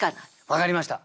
分かりました。